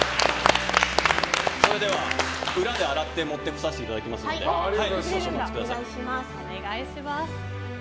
それでは裏で洗って持ってこさせてもらいますので少しお待ちください。